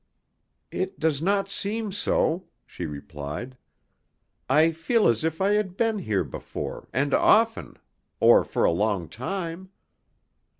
"It does not seem so," she replied. "I feel as if I had been here before, and often, or for a long time."